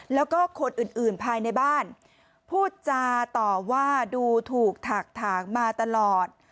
แล้วก็คนอื่นภายในบ้านพูดจาต่อว่าดูถูกถักถางมาตลอด